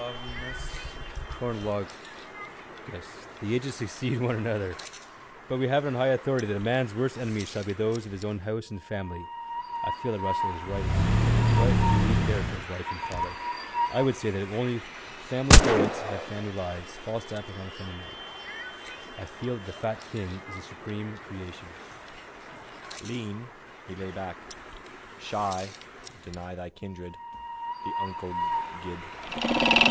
—History shows that to be true, inquit Eglintonus Chronolologos. The ages succeed one another. But we have it on high authority that a man's worst enemies shall be those of his own house and family. I feel that Russell is right. What do we care for his wife or father? I should say that only family poets have family lives. Falstaff was not a family man. I feel that the fat knight is his supreme creation. Lean, he lay back. Shy, deny thy kindred, the unco guid.